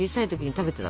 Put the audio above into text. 食べてた。